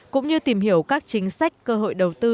cũng như tìm hiểu các chính sách cơ hội đầu tư